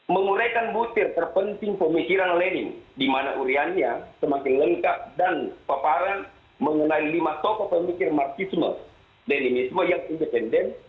menguraikan butir terpenting pemikiran lenim di mana uriannya semakin lengkap dan paparan mengenai lima tokoh pemikir marxisme denimisme yang independen